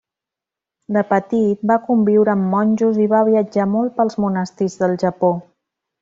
De petit va conviure amb monjos i va viatjar molt pels monestirs del Japó.